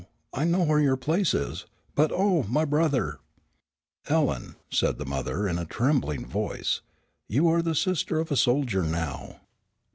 I know where your place is, but oh, my brother!" "Ellen," said the mother in a trembling voice, "you are the sister of a soldier now."